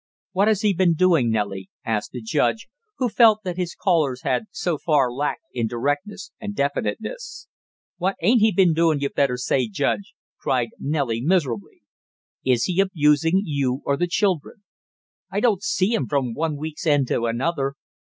"What has he been doing, Nellie?" asked the judge, who felt that his callers had so far lacked in directness and definiteness. "What ain't he been doing, you'd better say, Judge!" cried Nellie miserably. "Is he abusing you or the children?" "I don't see him from one week's end to another!"